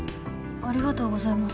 ありがとうございます。